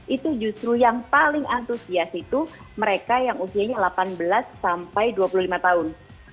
itu justru yang paling antusias itu mereka yang usianya delapan belas sampai dua puluh lima tahun